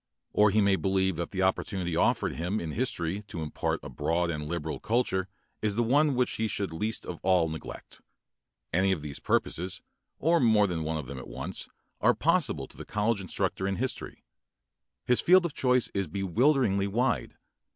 Or he may believe that the opportunity offered him in history to impart a broad and liberal culture is the one which he should least of all neglect. Any of these purposes, or more than one of them at once, are possible to the college instructor in history. His field of choice is bewilderingly wide.